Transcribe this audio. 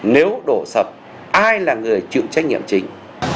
nếu đổ sập ai là người chịu trách nhiệm chính